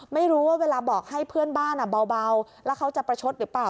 ไม่รู้ว่าเวลาบอกให้เพื่อนบ้านเบาแล้วเขาจะประชดหรือเปล่า